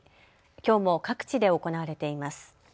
きょうも各地で行われています。